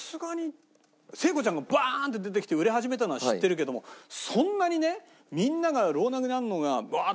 聖子ちゃんがバーンって出てきて売れ始めたのは知ってるけどもそんなにねみんなが老若男女がウワーッ。